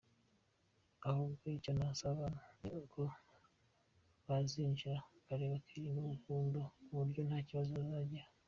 Ahubwo icyo nasaba abantu ni uko bazinjira kare bakirinda umuvundo kuburyo ntakibazo bazagira.